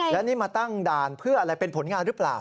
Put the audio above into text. แล้วนี่มาตั้งด่านเพื่ออะไรเป็นผลงานหรือเปล่า